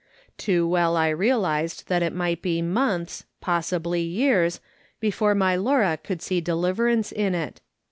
Too well I realised tliat it might be months, possibly years, before my Laura could see deliverance in it.